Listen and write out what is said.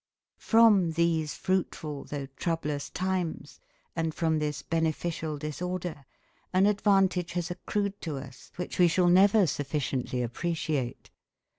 From these fruitful though troublous times, and from this beneficial disorder, an advantage has accrued to us which we shall never sufficiently appreciate.